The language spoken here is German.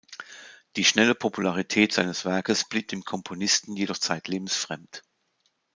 Die schnelle Popularität seines Werkes blieb dem Komponisten jedoch zeitlebens fremd.